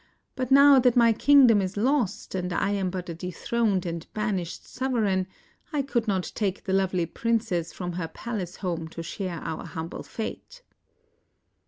but now that my kingdom is lost and I am but a dethroned and banished sovereign, I could not take the lovely princess from her palace home to share our humble fate."